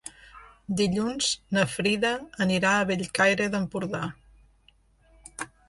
Dilluns na Frida anirà a Bellcaire d'Empordà.